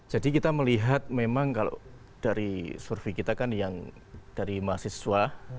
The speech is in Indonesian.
jadi kita melihat memang kalau dari survei kita kan yang dari mahasiswa